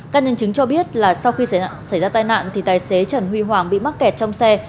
các nhân chứng cho biết là sau khi xảy ra tai nạn thì tài xế trần huy hoàng bị mắc kẹt trong xe